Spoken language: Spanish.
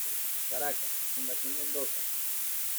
Caracas, Fundación Mendoza, pp.